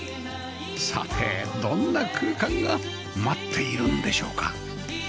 さてどんな空間が待っているんでしょうか？